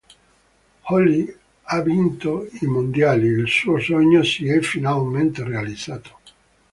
Holly ha vinto i mondiali: il suo sogno si è finalmente realizzato.